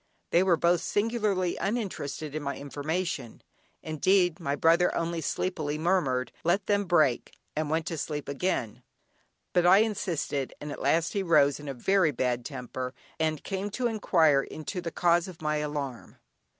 They were both singularly uninterested in my information (indeed my brother only sleepily murmured "let them break" and went to sleep again) but I insisted, and at last he rose in a very bad temper and came to inquire into the cause of my alarm.